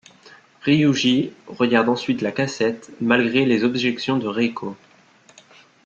Ryūji regarde ensuite la cassette, malgré les objections de Reiko.